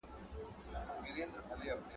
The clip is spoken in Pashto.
میلاټونین د شپې ساعت ښه کوي.